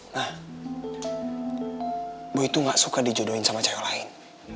nah boy tuh gak suka dijodohin sama cewek lain